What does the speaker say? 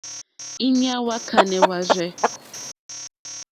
Íɲá hwá kánɛ̀ hwârzɛ̂.